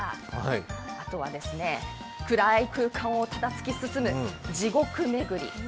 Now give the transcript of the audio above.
あとは暗い空間をただ突き進む地獄巡り